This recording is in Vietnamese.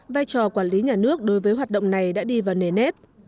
vai trò quản lý nhà nước đối với hoạt động này đã đi vào nề nếp